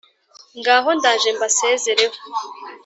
ngaho ndaje mbasezereho